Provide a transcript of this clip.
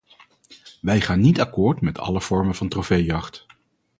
Wij gaan niet akkoord met alle vormen van trofeejacht.